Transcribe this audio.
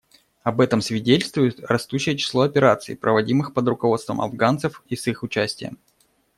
Об этом свидетельствует растущее число операций, проводимых под руководством афганцев и с их участием.